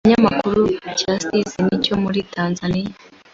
Ikinyamakuru The Citizen cyo muri Tanzania